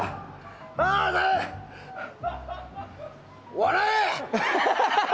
笑え！